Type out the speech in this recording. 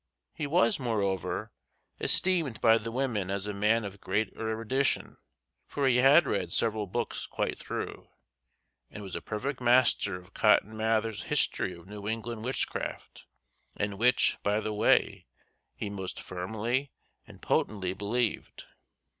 He was, moreover, esteemed by the women as a man of great erudition, for he had read several books quite through, and was a perfect master of Cotton Mather's History of New England Witchcraft, in which, by the way, he most firmly and potently believed.